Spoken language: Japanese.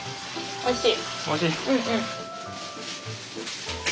おいしい。